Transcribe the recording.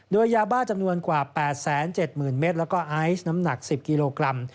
โดยยาบ้าจำนวนกว่า๘๗๐๐เมตรแล้วก็ไอซ์น้ำหนัก๑๐กิโลกรัม